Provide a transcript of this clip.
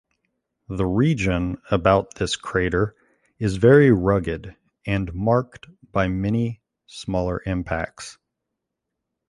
The region about this crater is very rugged and marked by many smaller impacts.